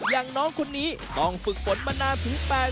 อย่างน้องคนนี้ต้องฝึกฝนมานานถึง๘๐